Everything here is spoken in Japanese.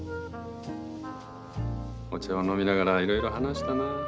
お茶を飲みながらいろいろ話したな。